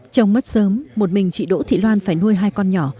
trong mắt sớm một mình chị đỗ thị loan phải nuôi hai con nhỏ